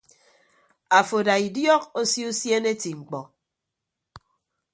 Afo ada idiọk osio usiene eti mkpọ.